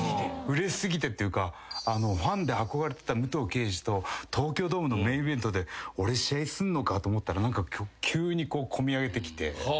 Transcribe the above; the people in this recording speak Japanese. うれし過ぎてっていうかファンで憧れてた武藤敬司と東京ドームのメインイベントで俺試合すんのかと思ったら急に込み上げてきて。